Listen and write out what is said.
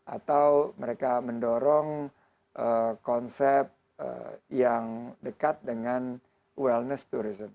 atau mereka mendorong konsep yang dekat dengan awareness tourism